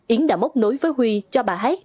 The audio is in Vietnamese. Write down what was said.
yến đã mốc nối với huy cho bà hát